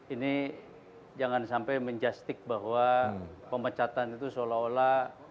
ini jangan sampai menjustic bahwa pemecatan itu seolah olah